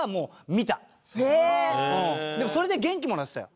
でもそれで元気もらってたよ。